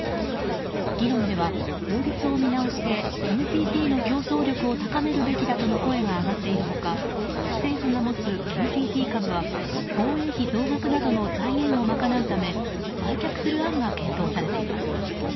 議論では、法律を見直してＮＴＴの競争力を高めるべきだとの声が上がっている他政府が持つＮＴＴ株は防衛費増額などの財源を賄うため売却する案が検討されています。